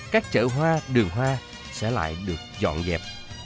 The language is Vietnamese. các chợ hoa đường hoa sẽ lại được dọn dẹp